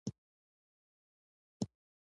ماش د ماشومانو لپاره دي.